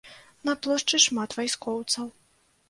На плошчы шмат вайскоўцаў.